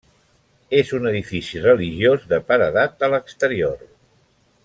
És un edifici religiós, de paredat a l'exterior.